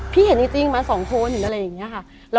พี่เห็นจริงมาสองคนหรืออะไรอย่างนี้ค่ะ